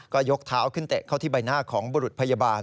ก็ยกเท้าขึ้นเตะเข้าที่ใบหน้าของบุรุษพยาบาล